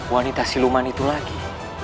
wanita siluman itu lagi